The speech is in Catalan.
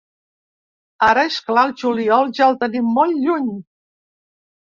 Ara, és clar, el juliol ja el tenim molt lluny.